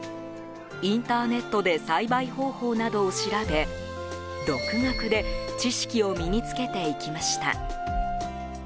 インターネットで栽培方法などを調べ独学で知識を身に付けていきました。